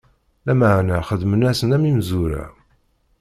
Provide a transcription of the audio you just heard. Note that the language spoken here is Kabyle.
Lameɛna xedmen-asen am imezwura.